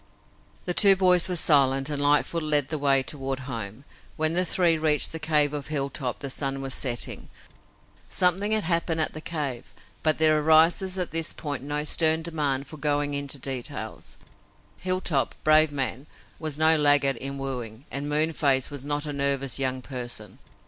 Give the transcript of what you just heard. The two boys were silent, and Lightfoot led the way toward home. When the three reached the cave of Hilltop the sun was setting. Something had happened at the cave, but there arises at this point no stern demand for going into details. Hilltop, brave man, was no laggard in wooing, and Moonface was not a nervous young person.